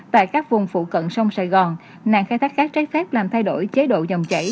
tại các vùng phụ cận sông sài gòn nạn khai thác cát trái phép làm thay đổi chế độ dòng chảy